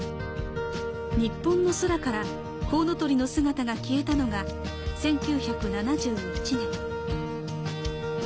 日本の空からコウノトリの姿が消えたのが１９７１年。